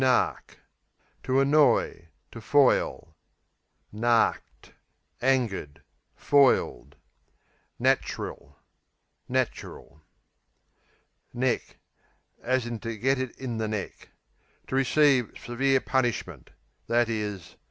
Nark, to To annoy; to foil. Narked Angered; foiled. Natchril Natural Neck, to get it in the To receive severe punishment; i.e.